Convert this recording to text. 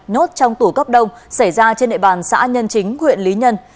nốt trong tủ cấp đông xảy ra trên địa bàn xã nhân chính huyện lý nhân